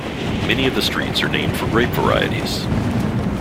Many of the streets are named for grape varieties.